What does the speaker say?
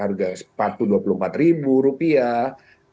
harga earphone misalnya rp seratus